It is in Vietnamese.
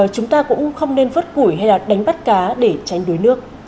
chúng ta cũng không nên vớt củi hay đánh bắt cá để tránh đuối nước